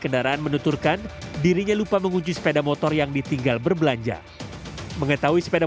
kendaraan menuturkan dirinya lupa mengunci sepeda motor yang ditinggal berbelanja mengetahui sepeda